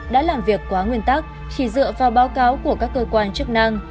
đã làm việc quá nguyên tắc chỉ dựa vào báo cáo của các cơ quan chức năng